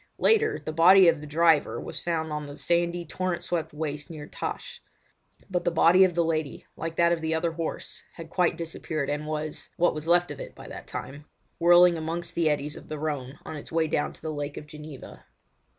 Later on the body of the driver was found on the sandy, torrent swept waste near Täsch; but the body of the lady, like that of the other horse, had quite disappeared, and was—what was left of it by that time—whirling amongst the eddies of the Rhone on its way down to the Lake of Geneva.